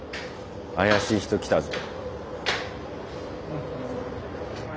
怪しい人来たぞ。